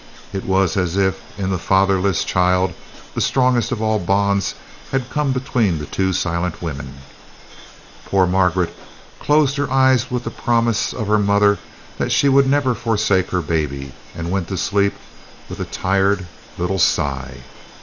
It was as if in the fatherless child the strongest of all bonds had come between the two silent women. Poor Margaret closed her eyes with the promise of her mother that she would never forsake her baby, and went to sleep with a tired little sigh.